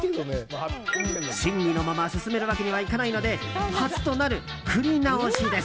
審議のまま進めるわけにはいかないので初となる振り直しです。